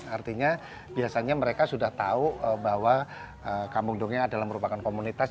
artinya biasanya mereka sudah tahu bahwa kampung dongeng adalah merupakan komunitas